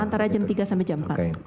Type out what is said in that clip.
antara jam tiga sampai jam empat